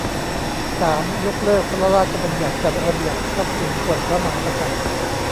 สาม ยกเลิก พระราชบัญญัติจัดระเบียบทรัพย์สินส่วนพระมหากษัตริย์